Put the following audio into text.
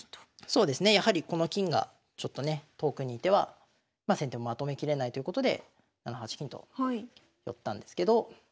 そうですねやはりこの金がちょっとね遠くに居てはまあ先手もまとめきれないということで７八金と寄ったんですけど。